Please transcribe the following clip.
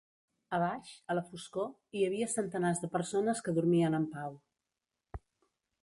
A baix, a la foscor, hi havia centenars de persones que dormien en pau.